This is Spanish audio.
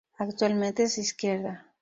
Actualmente es de izquierda.